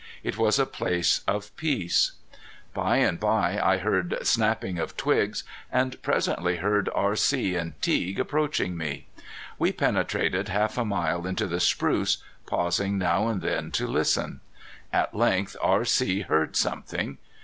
It was a place of peace. By and bye I heard snapping of twigs, and presently heard R.C. and Teague approaching me. We penetrated half a mile into the spruce, pausing now and then to listen. At length R.C. heard something.